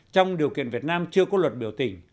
trong điều kiện việt nam chưa có luật biểu tình